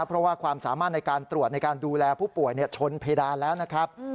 เพราะว่าความสามารถในการตรวจในการดูแลผู้ป่วยชนเพดานแล้วนะครับ